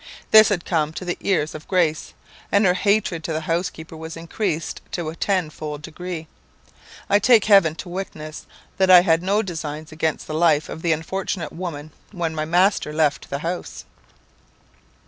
This had come to the ears of Grace, and her hatred to the housekeeper was increased to a tenfold degree. I take heaven to witness, that I had no designs against the life of the unfortunate woman when my master left the house.